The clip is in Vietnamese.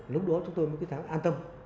lúc đó chúng tôi mới thấy an toàn